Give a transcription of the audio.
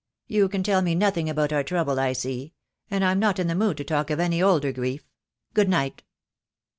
"You can tell me no thing about our trouble, I see; and I am not in the mood to talk of any older grief. Good night."